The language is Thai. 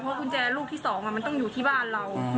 กุญแจลูกที่๒มันต้องอยู่ที่บ้านเรา